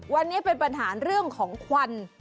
วันนี้เป็นปัญหาเรื่องของควัน